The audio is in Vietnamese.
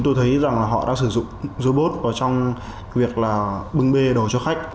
tôi thấy rằng họ đang sử dụng robot trong việc bưng bê đồ cho khách